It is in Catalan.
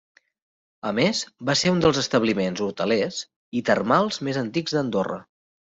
A més, va ser un dels establiments hotelers i termals més antics d'Andorra.